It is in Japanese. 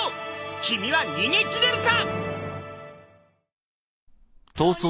君は逃げ切れるか！？